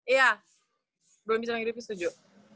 iya belum bisa menghidupi setuju